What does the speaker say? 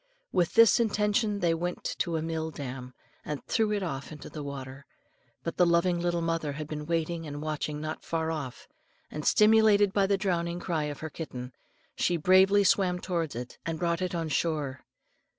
With this intention they went to a mill dam, and threw it far into the water. But the loving little mother had been waiting and watching not far off, and, stimulated by the drowning cry of her kitten, she bravely swam towards it, and brought it on shore.